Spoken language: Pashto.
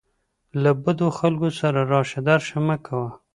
له بدو خلکو سره راشه درشه مه کوه.